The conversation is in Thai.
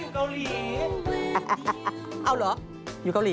พี่เมดอยู่เกาหลี